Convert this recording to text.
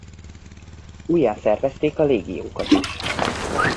Újjászervezték a légiókat is.